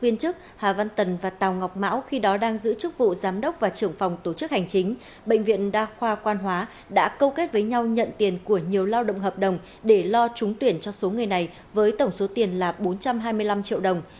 nông dân đa khoa quan hóa đã câu kết với nhau nhận tiền của nhiều lao động hợp đồng để lo trúng tuyển cho số người này với tổng số tiền là bốn trăm hai mươi năm triệu đồng